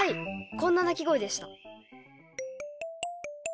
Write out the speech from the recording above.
こんな鳴き声でした。